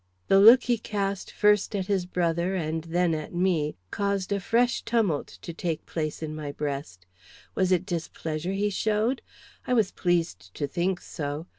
The look he cast first at his brother and then at me caused a fresh tumult to take place in my breast. Was it displeasure he showed? I was pleased to think so.